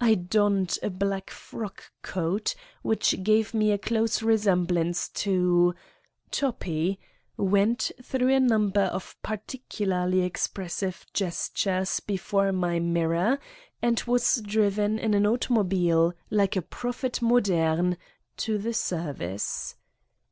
I donned a black frock coat, which gave me a close resem blance to Toppi, went through a number of par ticularly expressive gestures before my mirror and was driven in an automobile, like a prophet moderne, to the service.